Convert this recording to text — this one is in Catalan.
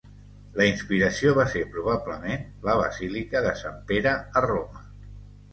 La inspiració va ser probablement la Basílica de Sant Pere a Roma.